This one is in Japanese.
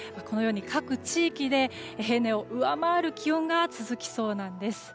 各地域で平年を上回る気温が続きそうなんです。